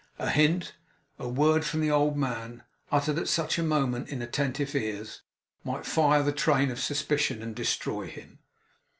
A hint, a word, from the old man, uttered at such a moment in attentive ears, might fire the train of suspicion, and destroy him.